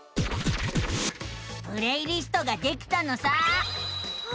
プレイリストができたのさあ。